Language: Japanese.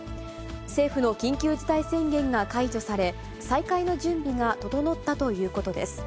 政府の緊急事態宣言が解除され、再開の準備が整ったということです。